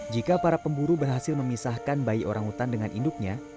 jika para pemburu berhasil memisahkan bayi orangutan dengan induknya